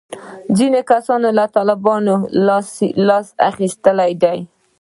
ځینې کسان له طالبتوبه یې لاس اخیستی دی.